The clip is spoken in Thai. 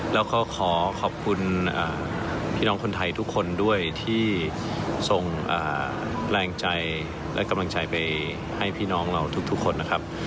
แล้วก็ขอขอบคุณพี่น้องคนไทยทุกคนด้วยที่ส่งแรงใจและกำลังใจไปให้พี่น้องเราทุกคนนะครับ